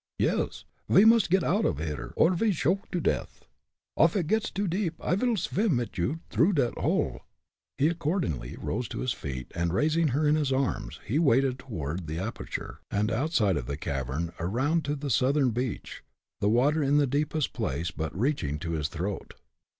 "Yes. We must get oud off here or ve shoke to death. Off it gets too deep, I vil swim mit you t'rough dot hole." He accordingly arose to his feet, and raising her in his arms, he waded toward the aperture, and outside of the cavern, around to the southern beach, the water in the deepest place but reaching to his throat.